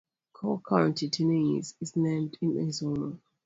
Cocke County, Tennessee is named in his honor.